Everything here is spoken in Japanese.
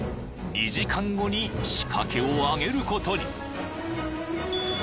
［２時間後に仕掛けを揚げることに］